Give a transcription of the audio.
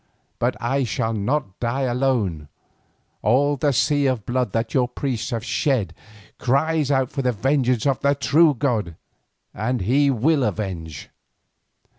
But I shall not die alone, all the sea of blood that your priests have shed cries out for vengeance to the true God, and He will avenge."